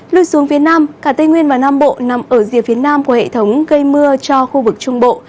lưu xuống phía nam cả tây nguyên và nam bộ nằm ở rìa phía nam của hệ thống gây mưa cho khu vực trung bộ